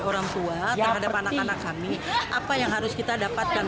orang tua terhadap anak anak kami apa yang harus kita dapatkan